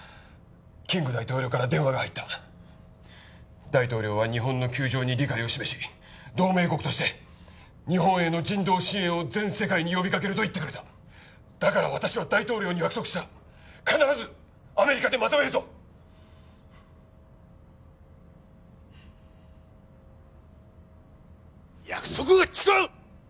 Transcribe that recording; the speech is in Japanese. キング大統領から電話が入った大統領は日本の窮状に理解を示し同盟国として日本への人道支援を全世界に呼びかけると言ってくれただから私は大統領に約束した必ずアメリカでまとめると約束が違う！